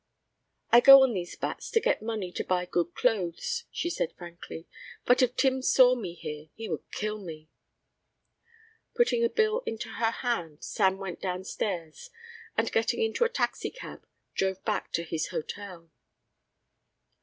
"I go on these bats to get money to buy good clothes," she said frankly, "but if Tim saw me here he would kill me." Putting a bill into her hand Sam went downstairs and getting into a taxicab drove back to his hotel.